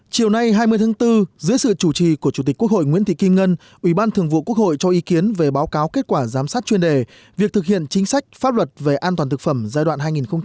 chiều nay hai mươi tháng bốn dưới sự chủ trì của chủ tịch quốc hội nguyễn thị kim ngân ủy ban thường vụ quốc hội cho ý kiến về báo cáo kết quả giám sát chuyên đề việc thực hiện chính sách pháp luật về an toàn thực phẩm giai đoạn hai nghìn một mươi bốn hai nghìn hai mươi